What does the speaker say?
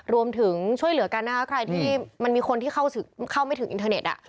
รวมถึงช่วยเหลือกันนะคะใครที่มันมีคนที่เข้าไม่ถึงอินเทอร์เน็ต